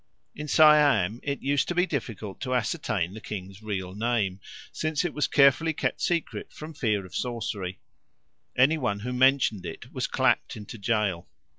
In Siam it used to be difficult to ascertain the king's real name, since it was carefully kept secret from fear of sorcery; any one who mentioned it was clapped into gaol.